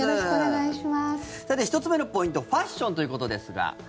さて、１つ目のポイントファッションということですが。